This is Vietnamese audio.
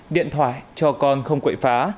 điện thoại cho con không quậy phá